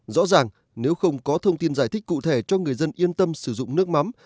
rõ ràng nếu không có thông tin giải thích cụ thể cho người dân yên tâm sử dụng nước mắm